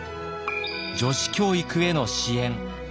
女子教育への支援。